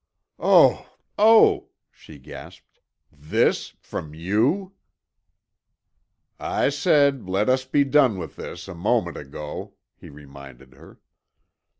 "Oh—oh!" she gasped. "This—from you." "I said, 'let us be done with this,' a moment ago," he reminded her.